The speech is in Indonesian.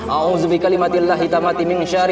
a'udzubi kalimatillah hitamati min syarif